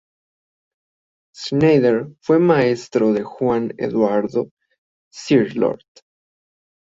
Schneider fue maestro de Juan Eduardo Cirlot.